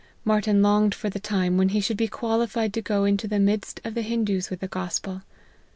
Martyn longed for the time when he should be qualified to go into the midst of the Hindoos with the gospel.